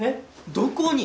どこに？